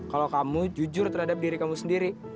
kalau kamu jujur terhadap diri kamu sendiri